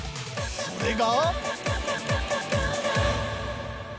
それが。